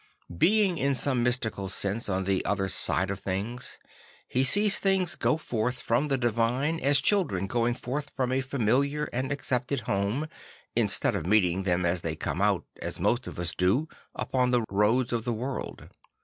Being in some mystical sense on the other side of things, he sees things go forth from the divine as children going forth from a familiar and accepted home, instead of meeting them as they come out, as most of us do, upon the roads of the world.